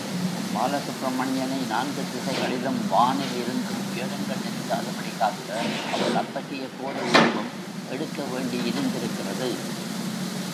பால சுப்பிரமணியனை, நான்கு திசைகளிலும், வானில் இருந்தும் துயரங்கள் நெருங்காதபடி காக்க அவள் அத்தகைய கோர உருவம் எடுக்கவேண்டியிருந்திருக்கிறது.